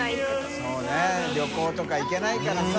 そうね旅行とか行けないからさ。